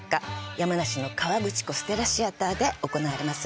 山梨の河口湖ステラシアターで行われます